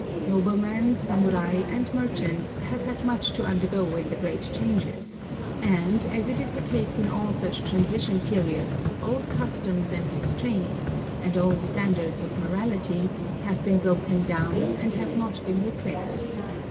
Noblemen, samurai, and merchants have had much to undergo in the great changes, and, as is the case in all such transition periods, old customs and restraints, and old standards of morality, have been broken down and have not been replaced.